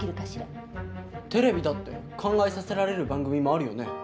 テレビだって考えさせられる番組もあるよね。